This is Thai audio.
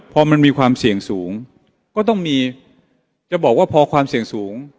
พอมันมีความเสี่ยงสูงก็ต้องมีจะบอกว่าพอความเสี่ยงสูง